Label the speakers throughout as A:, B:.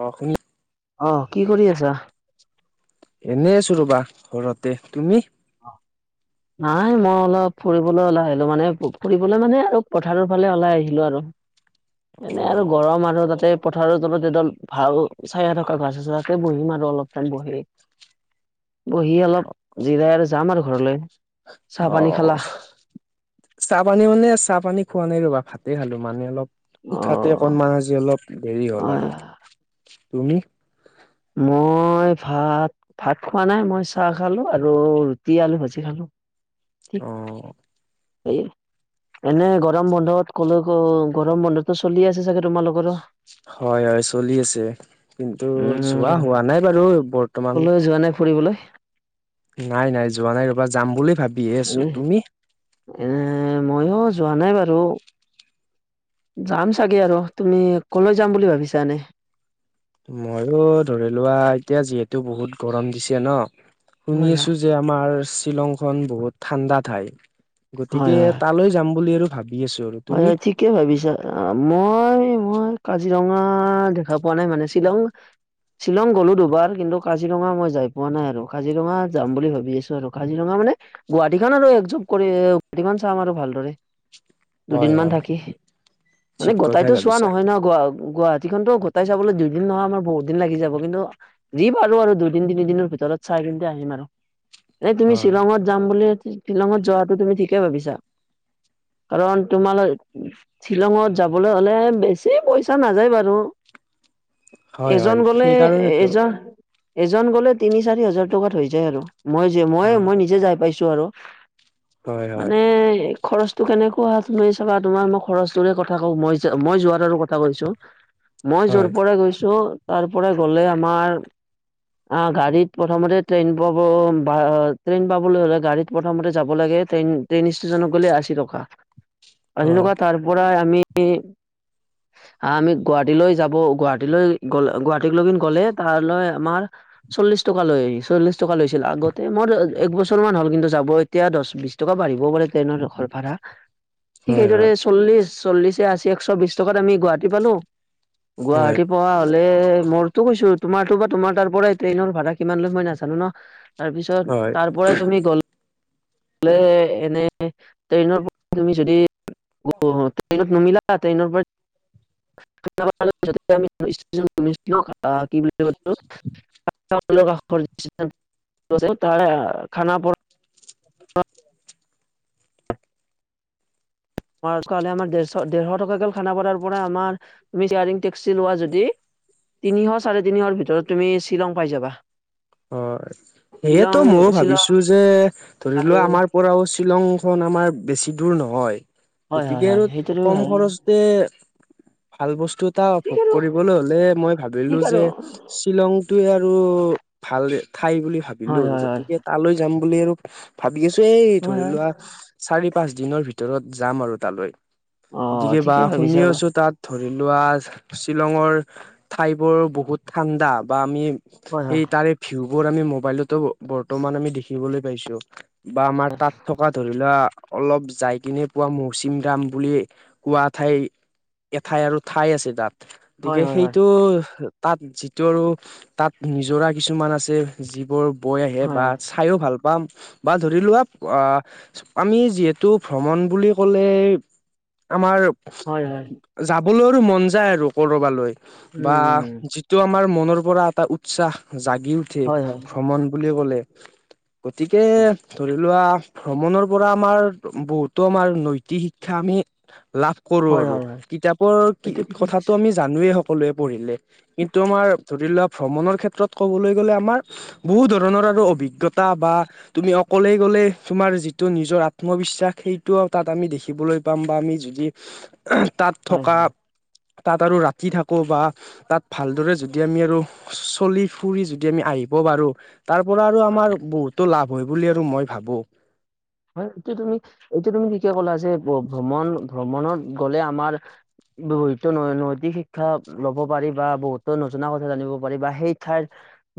A: অ', শু
B: অ কি কৰি আছা
A: এনেই আছোঁ ৰ'বা ঘৰতে তুমি।
B: নাই মই অলপ ফুৰিবলৈ ওলাই আহিলো মানে ফুৰিবলৈ মানে আৰু পথাৰৰ ফালে ওলাই আহিলো আৰু
A: [inaudible]
B: এনেই আৰু গৰম আৰু তাতে পথাৰৰ তলত এডাল ভাল চায়া থকা গছ আছে তাতে বহিম আৰু অলপ টাইম বহি। বহি অলপ জিৰাই আৰু যাম আৰু ঘৰলৈ চাহ পানী খালা?
A: অ'। চাহ পানী মানে চাহ পানী খোৱা নাই ৰবা ভাতে খালো মানে অলপ
B: অ
A: উঠাতে অকনমান আজি অলপ দেৰি হ'ল
B: হয়
A: আৰু তুমি?
B: মই ভাত ভাত খোৱা নাই মই চাহ খালো আৰু ৰুটি আলু ভাজি খালো। ঠিক
A: অঁ।
B: এই এনে গৰম বন্ধত ক'লে গৰম বন্ধটো চলি আছে চাগে তোমালোকৰো?
A: হয় হয় চলি আছে কিন্তু যোৱা
B: উম
A: হোৱা নাই বাৰু বৰ্তমান-
B: ক'লৈ যোৱা নাই ফুৰিবলৈ?
A: নাই নাই যোৱা নাই ৰবা যাম বুলি ভাবিয়ে আছো, তুমি?
B: এনে মইও যোৱা নাই বাৰু। যাম চাগে আৰু তুমি কলৈ যাম বুলি ভাবিছা এনেই?
A: মইয়ো ধৰি লোৱা এতিয়া যিহেতু বহুত গৰম দিছে ন,
B: হয় হয়
A: শুনিছো- যে আমাৰ শ্বিলংখন বহুত ঠাণ্ডা ঠাই
B: হয়
A: গতিকে
B: হয়
A: তালৈ যাম বুলি আৰু ভাবি- আছোঁ আৰু।
B: হয়
A: তুমি
B: হয় ঠিক। কি ভাবিছা, মই-মই কাজিৰঙা দেখা পোৱা নাই মানে শ্বিলং- শ্বিলং গ'লো দুবাৰ কিন্তু কাজিৰঙা মই যাই পোৱা নাই আৰু কাজিৰঙা যাম বুলি ভাবি আছো আৰু কাজিৰঙা মানে- গুৱাহাটীখন আৰু এক যুপ কৰি কিমান চাম আৰু ভালদৰে। দুদিন
A: হয়
B: মান
A: হয়
B: থাকি মানে
A: ঠিক কথাই
B: গোটাইতো চোৱা
A: ভাবিছা
B: নহয় ন, গুৱা গুৱাহাটী- খনতো গোটেই চাবলৈ দুইদিন নহয় আমাৰ বহু দিন লাগি যাব কিন্তু- যি পাৰো আৰু দুইদিন তিনিদিনৰ ভিতৰত চাই [unintelligible] আহিম আৰু। এই তুমি
A: হয়
B: শ্বিলঙত যাম বুলি, শ্বিলঙত যোৱাটো তুমি ঠিকে ভাবিছা। কাৰণ তোমালৈ- শ্বিলংত যাবলৈ হ'লে বেছি পইচা নাযায় বাৰু।
A: হয় হয়
B: এজন গ'লে
A: সেইকাৰণেতো
B: এজন- এজন গ'লে তিনি চাৰি হাজাৰ টকাত হৈ যায় আৰু মই যে মই
A: হয়
B: মই নিজে যাই পাইছো আৰু।
A: হয় হয়
B: মানে খৰচটো কাৰণে - [unintelligible] তুমি চাবা তোমাৰ মই খৰচটোৰে কথা কওঁ, মই মই যোৱাত আৰু কথা কৈছোঁ। মই যৰ
A: হয়
B: পৰা গৈছো তাৰ পৰা গ'লে আমাৰ- আহ' গাড়ীত প্ৰথমতে ট্ৰেইন পাব বা ট্ৰেইন পাবলৈ হ'লে গাড়ীত প্ৰথমতে যাব লাগে। ট্ৰেইন ট্ৰেইন ষ্টেশচনত গ'লে আশী টকা, আশী
A: হয়
B: টকা তাৰ পৰা আমি-
A: [unintelligible]
B: আমি গুৱাহাটীলৈ যাব গুৱাহাটীলৈ গ'লে, গুৱাহাটীলৈ গ'লে তালৈ আমাৰ- চল্লিশ টকা লৈ চল্লিশ টকা লৈছিল, আগতে মোৰ- এক বছৰ মান হ'ল কিন্তু যাব এতিয়া দহ বিশ টকা বাঢ়িব পাৰে ট্ৰেইনৰ ঘৰ ভাড়া। ঠিক
A: হয়
B: সেইদৰে
A: হয়
B: চল্লিশ-চল্লিশ এ আশি এশ বিশ টকাত আমি গুৱাহাটী পালোঁ।
A: হয়
B: গুৱাহাটী পৰা- লে মোৰতো কৈছো তোমাৰটো বা তোমাৰ তাৰ পৰাই ট্ৰেইনৰ ভাড়া কিমান লয় মই নাজানো ন। তাৰপিছত
A: হয়
B: তাৰ পৰাই তুমি গ'লে এনেই ট্ৰেইনৰ পৰা- তুমি যদি ট্ৰেইনত নামিলা ট্ৰেইনৰ পৰাই- [unintelligible] [unintelligible] খানাাপ-
A: [unintelligible]
B: কাৰণে আমাৰ ডেৰশ টকাকে খানা পৰাৰ পৰা আমাৰ মিছয়াৰিং টেক্সি লোৱা যদি- তিনিশ চাৰে তিনিশৰ ভিতৰত তুমি শ্বিলং পাই যাবা।
A: হয় সেইয়েতো
B: শ্বিলং
A: ময়ও
B: শ্বিলং
A: ভাবিছো যে ধৰি
B: আৰু
A: লোৱা আমাৰ পৰাও শ্বিলং,,,, আমাৰ বেছি দূৰ নহয়
B: হয় হয়
A: গতিকে
B: হয়
A: আৰু
B: সেইটো তুমি
A: কম
B: ভাল
A: খৰচ। তে ভাল বস্তু এটা
B: ঠিক
A: ভোগ
B: আৰু
A: কৰিবলৈ হলে মই ভাবিলো
B: ঠিক আৰু
A: যে শ্বিলংটোৱে আৰু ভাল ঠাই বুলি ভাবিলো
B: হয়
A: আৰু
B: হয় হয়
A: গতিকে তালৈ যাম বুলি আৰু। ভাবি আছো এই
B: হয়
A: ধৰি
B: হয়
A: লোৱা চাৰি পাঁচ দিনৰ ভিতৰত যাম আৰু তালৈ।
B: অ
A: গতিকে বা
B: ঠিকেই
A: শুনি
B: ভাবিছা বা
A: আছো তাত। ধৰি লোৱা শ্বিলংঙৰ ঠাইবোৰ বহুত ঠাণ্ডা বা আমি,,,
B: হয় হয়
A: সেই তাৰে ভিউ বোৰ আমি মোবাইলতো বৰ্তমান আমি দেখিবলৈ পাইছো। বা আমাক তাত থকা ধৰিলোৱা। অলপ যাই কিনে পোৱা মৌচুম ৰাম বুলি কোৱা ঠাই। এঠাই আৰু ঠাই আছে তাত
B: হয়
A: গতিকে
B: হয়
A: সেই,,,
B: হয়
A: ওহ তাত যিটো আৰু তাত নিজৰা কিছুমান আছে যিবোৰ,,, বৈ আহে
B: হয়
A: বা
B: হয়
A: চাইও ভাল পাম বা ধৰি লোৱা আহ আমি যিহেতু ভ্ৰমণ বুলি ক'লে আমাৰ,,,
B: হয় হয়
A: যাবলৈৰ মন যায় আৰু কৰবালৈ
B: উম
A: বা
B: উম
A: যি যিটো আমাৰ মনৰ পৰা এটা উৎসাহ জাগি উঠে
B: হয় হয়
A: ভ্ৰমণ বুলি ক'লে। গতিকে
B: উম,
A: ধৰি লোৱা। ভ্ৰমণৰ পৰা আমাৰ বহুতো আমাৰ নৈতিক শিক্ষা আমি লাভ,,,,, কৰো
B: হয়
A: আৰু
B: হয় হয়
A: কিতাপৰ কি
B: এইটো ঠিকেই কৈছা
A: কথাটো আমি জানোৱেই হক। সকলোৱে পঢ়িলে কিন্তু আমাৰ ধৰি লোৱা ভ্ৰমণৰ ক্ষেত্ৰত ক'বলৈ গ'লে আমাৰ বহু ধৰণৰ আৰু অভিজ্ঞতা বা,,, তুমি অকলে গলে তোমাৰ যিটো নিজৰ আত্মবিশ্বাস সেইটোও তাত আমি দেখিবলৈ,,,, যাম বা আমি যদি তাত
B: হয়
A: থকা
B: হয়
A: তাত আৰু ৰাতি থাকো। কবা তাত ভালদৰে যদি আমি আৰু চলি ফুৰি যদি আমি আহিব পাৰো। তাৰ পৰা আৰু
B: হয়
A: আমাৰ বহুতো লাভ হয় বুলি আৰু মই ভাবোঁ।
B: হয় এইটো তুমি এইটো তুমি ঠিকে কলা যে ভ্ৰমণ ভ্ৰমণত গলে আমাৰ,,,, বহুত নৈতিক শিক্ষা ল'ব পাৰি বা বহুতো নজনা কথা জানিব পাৰি বা সেই ঠাইৰ,,,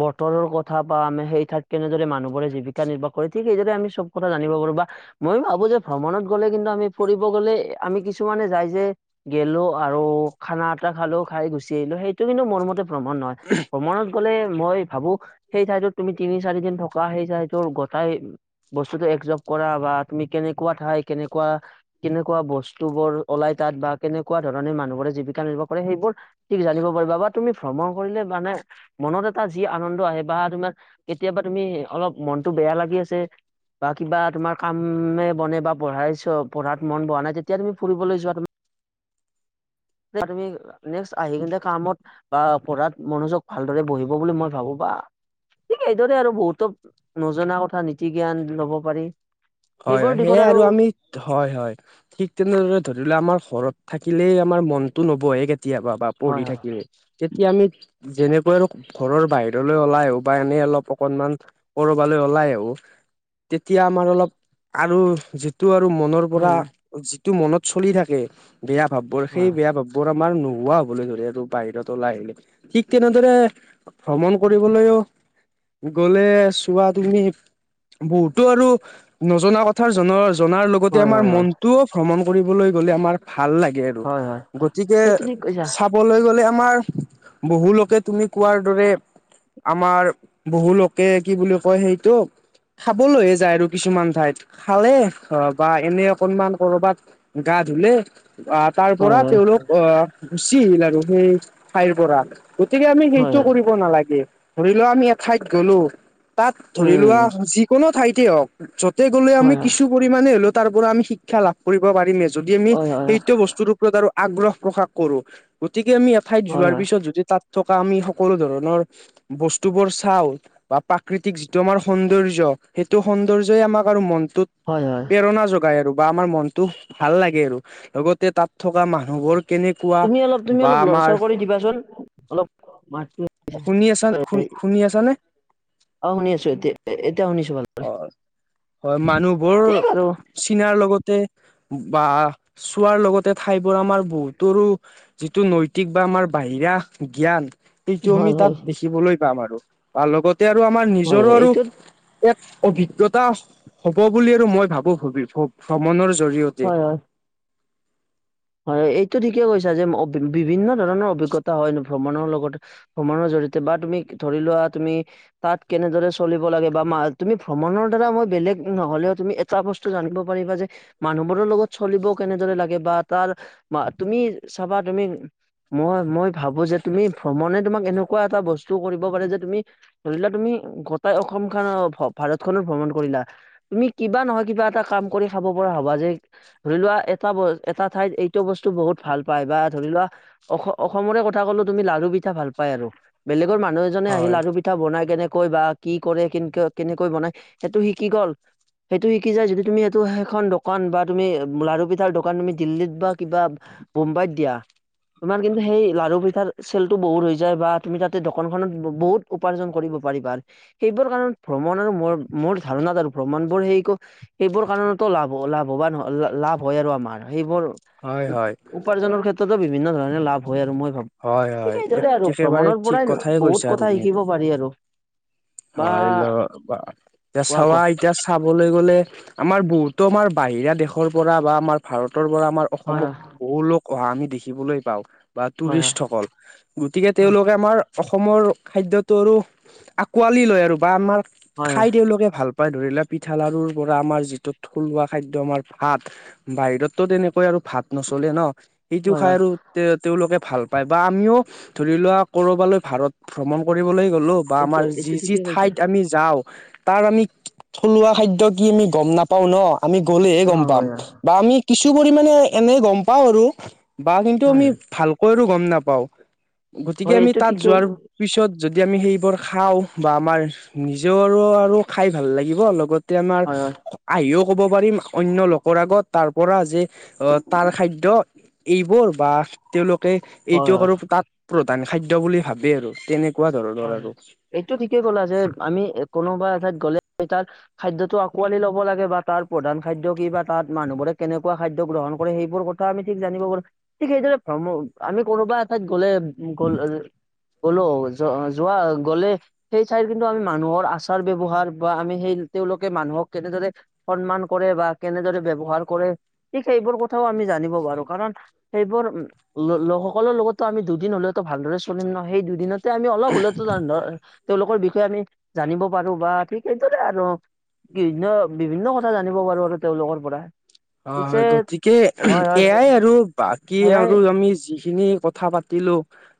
B: বতৰৰ কথা বা আমি সেই ঠাই কেনেদৰে মানুহোৰে জীৱিকা নিৰ্বাহ কৰে ঠিক সেইদৰে আমি চব কথা,,, জানিব পাৰো বা মই ভাবো যে ভ্ৰমণত গ'লে কিন্তু আমি ফুৰিব গলে আমি কিছুমানে যাই যে,,,, গেলো আৰু খানা এটা খালো খাই গুচি আহিলো সেইটো কিন্তু মোৰ মতে ভ্ৰমণ নহয় ভ্ৰমণত গ'লে মই ভাবো সেই ঠাইতত তুমি তিনি চাৰি দিন থকা সেই গটাইৰ গোটাই হেতো একযোগ কৰা বা তুমি কেনেকুৱা ঠাই কেনেকুৱা কেনেকুৱা বস্তু বোৰ ওলাই তাত বা কেনেকুৱা ধৰণে মানুহবোৰে জীৱিকা নিৰ্বাহ কৰে সেইবোৰ ঠিক জানিব পাৰিবা বা তুমি ভ্ৰমণ কৰিলে মানে,,, মনত এটা যি আনন্দ আহে বা তোমাৰ কেতিয়াবা তুমি অলপ মনতটো বেয়া লাগি আছে। বা কিবা তোমাৰ কামে বনে বা পঢ়াইছ পঢ়াত মন বহা নাই তেতিয়া তুমি ফুৰিবলৈ যোৱা তুমি যে তুমি নেচক আহি কিন্তয়া কামত বা পঢ়াত মনোজক ভালদৰে বহিব বুলি মই ভাবো বা। ঠিক এইদৰে আৰু বহুতো নজনা কথা নীতি জ্ঞান লব পাৰি।
A: হয়ঁ
B: সেইবোৰ
A: হয়ঁ
B: দিশত
A: সেয়ে আৰু আমি হয়ঁ হয়ঁ। ঠিক তেনেদৰে ধৰি লোৱা আমাৰ ঘৰত থাকিলেই আমাৰ মনতটো নবহে কেতিয়াবা বা
B: হয়
A: পঢ়ি
B: হয়
A: থাকিলে্ তেতিয়া আমি যেনেকৈ আৰু ঘৰৰ বাহিৰলৈ ওলাই উপায় আনি অকনমান,,,, কৰবালৈ ওলাই আহো তেতিয়া আমাৰ অলপ আৰু যিটো আৰু মনৰ পৰা
B: হয় হয়
A: যিটো মনত চলি থাকে। বেয়া ভাববোৰ সেই বেয়া ভাববোৰ আমাৰ নোহোৱা হবলৈ ধৰে আৰু বাহিৰত ওলাই আহিলে ঠিক তেনেদৰে ভ্ৰমণ কৰিবলৈও গ'লে চোৱা তুমি বহুতো আৰু নজনা কথা জন জনাৰ লগতে
B: হয় হয়
A: আমাৰ
B: হয় হয়
A: মনটোও ভ্ৰমণ কৰিবলৈ গ'লে আমাৰ ভাল লাগে।
B: হয় হয়
A: গতিকে
B: সেইটো ঠিক কৈছা
A: চা বলৈ গ'লে আমাৰ বহু লোকে তুমি কোৱাৰ দৰে আমাৰ বহু লোকে কি বুলি কয় সেইটো খাবলৈহে যায় আৰু কিছুমান ঠাইত খালে অ' বা এনে অকনমান ক'ৰবাত গা ধুলে আহ তাৰ
B: হয়
A: পৰা
B: হয়
A: তেওঁলোক আহ গুচি আহিল আৰু সেই ঠাইৰ পৰা। গতিকে আমি
B: হয়
A: সেইটো
B: হয়
A: কৰিব নালাগে ধৰি লোৱা আমি এঠাইত গলো তাত ধৰি
B: উম
A: লোৱা যিকোনো ঠাইতে হওক য'তে গ'লে আমি
B: হয় হয়
A: কিছু পৰিমানে হ'লেও তাৰ পৰা আমি শিক্ষা লাভ কৰিব পাৰিমে যদি আমি
B: হয় হয়
A: সেইটো বস্তুৰ ওপৰত আৰু আগ্ৰহ প্ৰকাশ কৰোঁ গতিকে আমি এঠাইত
B: হয় হয়
A: যোৱাৰ পিছত যদি তাত থকা আমি সকলো ধৰণৰ বস্তু বোৰ চাও বা প্ৰাকৃতিক যিটো আমাৰ সৌন্দৰ্য সেইটো সৌন্দৰ্যই আমাক আৰু মনটোক
B: হয় হয়।
A: প্ৰেৰণা যগায় আৰু বা আমাৰ মনটো ভাল লাগে আৰু, লগতে তাত থকা মানুহবোৰ কেনে
B: তুমি অলপ তুমি অলপ লৰ চৰ কৰি দিবাচোন অলপ মাতটো
A: শুনি আছা শুন
B: হয়,
A: শুনি আছা নে?
B: অ' শুনি আছো এতিয়া, এতিয়া শুনিছো ভালকৈ।
A: অ হয় মানুহবোৰ চিনাৰ লগতে বা চোৱাৰ লগতে ঠাইবোৰ আমাৰ বহুতৰো যিটো নৈতিক বা আমাৰ বাহিৰা জ্ঞান সেইটো
B: হয়
A: আমি
B: হয়
A: তাত দেখিবলৈ পাম আৰু বা লগতে আৰু আমাৰ
B: হয় হয়
A: নিজৰো আৰু
B: এইটোত
A: এক অভিজ্ঞতা হ'ব বুলি আৰু মই ভাবো ভ্ৰমণৰ জৰিয়তে
B: হয় হয়। হয় এইটো ঠিকে কৈছা যে বিভিন্ন ধৰণৰ অভিজ্ঞতা হয় ভ্ৰমণৰ লগতে ভ্ৰমনৰ জৰিয়তে বা তুমি ধৰি লোৱা তুমি তাত কেনেদৰে চলিব লাগে বা মা তুমি ভ্ৰমণৰ দ্বাৰা মই বেলেগ নহ'লেও তুমি বস্তু জানিব পাৰিবা যে মানুহবোৰৰ লগত চলিবও কেনেদৰে লাগে বা তাৰ মা তুমি চাবা তুমি মই মই ভাবো যে তুমি ভ্ৰমণে তোমাক এনেকুৱা এটা বস্তু কৰিব পাৰে যে তুমি ধৰিলোৱা তুমি গোটাই অসম খনৰ ভাৰত খনো ভ্ৰমণ কৰিলা তুমি কিবা নহয় কিবা এটা কাম কৰি খাব পৰা হবা যে ধৰি লোৱা এটা ব এটা ঠাইত এইটো বস্তু বহুত ভাল পায় বা ধৰি লোৱা অসমৰে কথা ক'লো তুমি লাডু‌ পিঠা ভাল পায় আৰু বেলেগৰ মানুহ এজনে আহি
A: হয়,
B: লাডু পিঠা পিঠা বনাই কেনেকৈ বা কি কৰে কেনেক কেনেকৈ বনাই সেইটো শিকি গ'ল। সেইটো শিকি যায় যদি তুমি এইটো সেইখন দোকান বা তুমি যদি লাডু পিঠাৰ দ কাৰন তুমি দিল্লীত বা কিবা বম্বাইত দিয়া। তোমাৰ কিন্তু সেই লাডু পিঠা চেলতটো বহুত হৈ যায় বা তুমি তাতে দোকানখনত বহুত উপাৰ্জন কৰিব পাৰিবা সেইবোৰ কাৰণত ভ্ৰমণ আৰু মোৰ ধাৰণাত আৰু ভ্ৰমণ বোৰ সেইকো সেইবোৰ এইবোৰ কাৰণতো লাভ। লাভৱান লাভ হয় আৰু আমাৰ সেইবোৰ
A: হয় হয়।
B: উপাৰ্জনৰ ক্ষেত্ৰতো বিভিন্ন ধৰণে লাভ হয় আৰু মই ভা
A: হয়, হয়,
B: সেইদৰে আৰু
A: একেবাৰে
B: ভ্ৰমণৰ
A: ঠিক
B: পৰাই
A: কথাই কৈছা
B: বহুত কথা
A: তুমি এইটো।
B: শিকিব পাৰি আৰু। বা
A: হয় ল এতিয়া
B: কোৱা
A: চাবা
B: কোৱা
A: এতিয়া- চাবলৈ গ'লে আমাৰ বহুতো আমাৰ বাহিৰা দেশৰ পৰা বা আমাৰ ভাৰতৰ পৰা আমাৰ-
B: হয়
A: অসমক
B: হয়
A: বহু লোক অহা আমি দেখিবলৈ পাওঁ। বা
B: হয়
A: টুৰিষ্টসকল গতিকে
B: হয়
A: তেওঁলোকে আমাৰ অসমৰ খাদ্যটোৰ- কোৱালি লয় আৰু বা আমাৰ
B: হয় হয়
A: খাই তেওঁলোকে ভাল পা- ধৰিলো পিঠা লাৰু পৰা আমাৰ যিটো থলুৱা খাদ্য আমাৰ ভাত। বাহিৰতো তেনেকৈ আৰু ভাত নচলে ন সেইটো
B: হয়
A: খাই
B: হয়
A: আৰু- তে তেওঁলোকে ভাল পায় বা আমিও ধৰি লোৱা কৰবালৈ ভাৰত ভ্ৰমণ কৰিবলৈ গ'লো। বা
B: এইটো
A: আমাৰ
B: এই।
A: যি যি ঠাইত আমি যাওঁ তাৰ আমি থলুৱা খাদ্য কি আমি গম নাপাওঁ ন। আমি গ'লেহে
B: অ
A: গম
B: হয়
A: পাম
B: হয়
A: বা আমি কিছু পৰিমমানে এনে গম পাওঁ আৰু। বা কিন্তু
B: হয়
A: আমি
B: হয়
A: ভালকৈ আৰু গম নাপাওঁ গতিকে
B: হয়
A: আমি
B: এইটো
A: তাত
B: ঠিকেই
A: যোৱাৰ-
B: হয়
A: পিছত যদি আমি সেইবোৰ খাওঁ বা আমাৰ নিজে আৰু আৰু খাই ভাল লাগিব লগত। তে আমাৰ-
B: হয়
A: আহিও ক'ব পাৰিম অন্য লোকৰ আগত তাৰ পৰা যে আহ তাৰ খাদ্য- এইবোৰ বা- তেওঁলোকে
B: হয়
A: এইটো
B: হয়
A: আৰু তাত প্ৰধান খাদ্য বুলি ভাবে আৰু তেনেকুৱা ধৰণৰ
B: হয়
A: আৰু।
B: এইটো ঠিকেই ক'লা যে আমি কোনোবা এঠাইত গ'লে তাত- খাদ্যতটো আকোৱালি ল'ব লাগে বা তাৰ প্ৰধান খাদ্য কি বা তাত মানুহবোৰে কেনেকুৱা খাদ্য গ্ৰহণ কৰে সেইবোৰ কথা- থা আমি ঠিক জানিব পাৰো ঠিক সেইদৰে ভ্ৰম আমি কোনোবা এঠাইত গ'লে- গল গ'লো যো যোৱা গ'লে। সেই ঠাইৰ কিন্তু আমি মানুহৰ আচাৰ ব্যৱহাৰ বা আমি সেই তেওঁলোকে মানুহক কেনেদৰে- সন্মান কৰে বা কেনেদৰে ব্যৱহাৰ কৰে ঠিক সেইবোৰ কথাও আমি জানিব পাৰো কাৰণ- সেইবোৰ লোক সকলৰ লগতো আমি দুদিন হলেওতো ভালদৰে চলিম ন সেই দুদিনত- আমি অলপ হলেতো ধৰ তেওঁলোকৰ বিষয়ে আমি জানিব পাৰো বা ঠিক সেইদৰে আৰু- বিভিন্ন বিভিন্ন কথা জানিব পাৰো আৰু তেওঁলোকৰ পৰা।
A: হয়
B: পিছে
A: হয় গতিকে
B: হয় হয়
A: এয়াই আৰু বাকী
B: সেয়াই
A: আৰু আমি যিখিনি কথা পাত- পাতিলো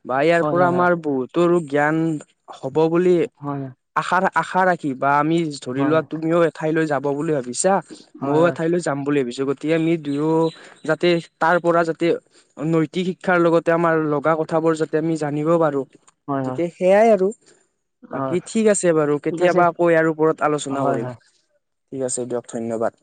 A: বা ইয়াৰ
B: হয়
A: পৰা
B: হয়
A: আমাৰ বহুতৰ জ্ঞান হব বুলি।
B: হয়
A: আশা আশা ৰাখি বা আমি
B: হয়
A: ধৰি
B: হয়
A: লোৱা তুমিও এঠাইলৈ যাব বুলি ভাবিছা মইও
B: হয়
A: এঠাইলৈ- যাম বুলি ভাবিছো গতিক আমি দুয়ো যাতে তাৰ পৰা যাতে- নৈতিক শিক্ষাৰ লগতে আমাৰ লগা কথাবোৰ যাতে আমি জানিব পাৰো।
B: হয় হয় হয়
A: গতিকে সেইয়াই আৰু। বাকী
B: হয়
A: ঠিক আছে বাৰু
B: ঠিক আছে
A: কেতিয়াবা আকৌ ইয়াৰ ওপৰত আলোচনা
B: হয়
A: কৰিম।
B: হয়
A: ঠিক আছে দিয়ক ধন্যবাদ।